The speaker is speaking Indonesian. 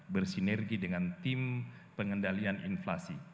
bersinergi dengan tim pengendalian inflasi